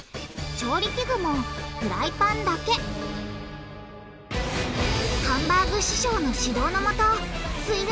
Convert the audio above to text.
調理器具もフライパンだけハンバーグ師匠の指導のもとす